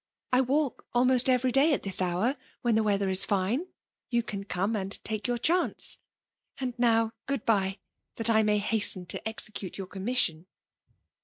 I walk al most every day at this hour, when the weather is fine : you can come and take your chance. And now good bye, that I may hasten ta execute your commission."